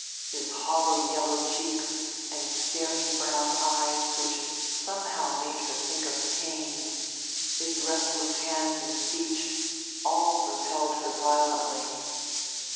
His hollow yellow cheeks and staring brown eyes which somehow made her think of pain, his restless hands and speech, all repelled her violently.